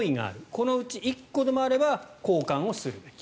このうち１個でもあれば交換すべき。